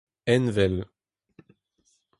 envel